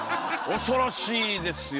恐ろしいですよ。